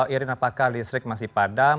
irin apakah listrik masih padam